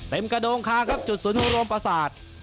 เต็มกระโดงคางครับจุดสูญภูมิโรมประสาท